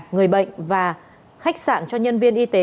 người bệnh và khách sạn cho nhân viên y tế